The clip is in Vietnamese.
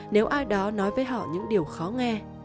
nếu ai đó nói với họ những điều khó nghe